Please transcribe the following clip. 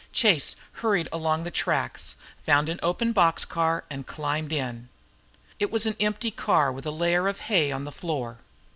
Chase hurried along the tracks, found an open box car, and climbed in. It was an empty car with a layer of hay on the floor.